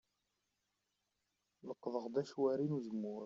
Leqḍeɣ-d acwari n uzemmur.